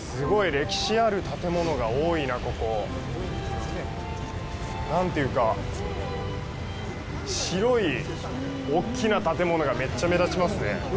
歴史ある建物が多いな、ここ。なんていうか、白い大っきな建物がめっちゃ目立ちますね。